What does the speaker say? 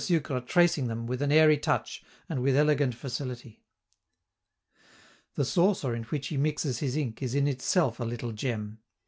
Sucre tracing them with an airy touch and with elegant facility. The saucer in which he mixes his ink is in itself a little gem.